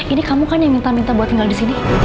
ini kamu kan yang minta minta buat tinggal disini